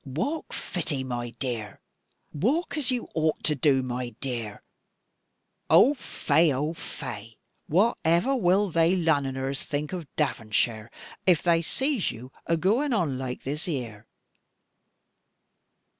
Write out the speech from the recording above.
"Walk fitty, my dear; walk as you ought to do, my dear. Oh fai! oh fai! Whatever wull they Lunnoners think of Davonsheer, if they zees you agooin on laike this here?